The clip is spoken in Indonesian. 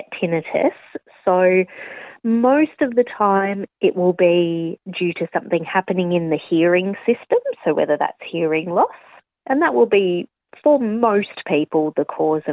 tinnitus bukanlah solusi yang bisa diterapkan